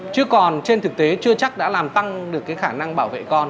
chứ còn trên thực tế chưa chắc đã làm tăng được cái khả năng bảo vệ con